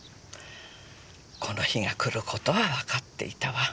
この日が来る事はわかっていたわ。